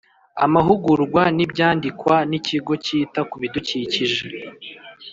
Amahugurwa n Ibyandikwa n Ikigo cyita ku bidukikije